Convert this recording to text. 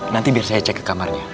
nanti biar saya cek ke kamarnya